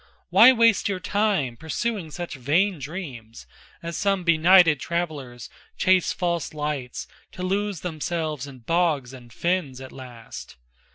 Why waste your time pursuing such vain dreams As some benighted travelers chase false lights To lose themselves in bogs and fens at last?